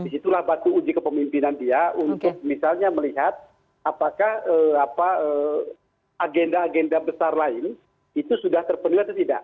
disitulah batu uji kepemimpinan dia untuk misalnya melihat apakah agenda agenda besar lain itu sudah terpenuhi atau tidak